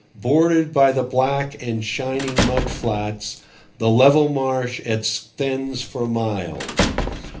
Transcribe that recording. Bordered by the black and shining mud flats, the level marsh extends for miles.